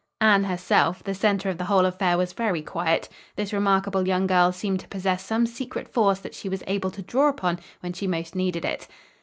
Anne, herself, the center of the whole affair was very quiet. This remarkable young girl seemed to possess some secret force that she was able to draw upon when she most needed it.